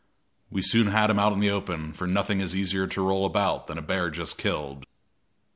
We soon had him out in the open, for nothing is easier to roll about than a bear just killed.